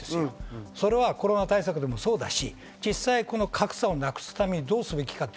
それはコロナ対策でもそうだし実際格差をなくすためにどうすべきか。